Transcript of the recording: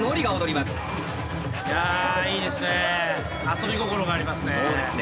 遊び心がありますね。